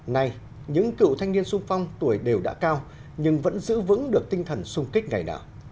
nay những cựu thanh niên sung phong tuổi đều đã cao nhưng vẫn giữ vững được tinh thần sung kích ngày nào